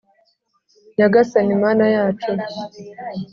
nyagasani mana yacu